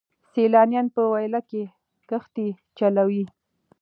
سیلانیان په ویاله کې کښتۍ چلوي.